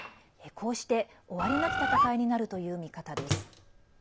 こうして、終わりなき戦いになるという見方です。